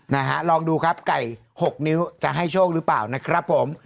นะฮะลองดูครับไก่หกนิ้วจะให้โชคหรือเปล่านะครับผม